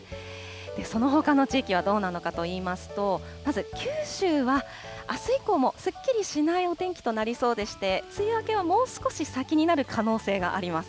そのほかの地域はどうなのかといいますと、まず九州はあす以降もすっきりしないお天気となりそうでして、梅雨明けはもう少し先になる可能性があります。